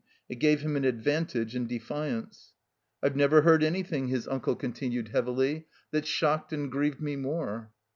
It gave Him an advantage in defiance. "I've never heard anything," his unde con 264 THE COMBINED MAZE titiued, heavily, ''that's shocked and grieved me more.'